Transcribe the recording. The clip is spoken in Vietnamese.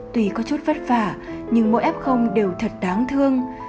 tuy có chút vất vả nhưng mỗi f đều thật đáng thương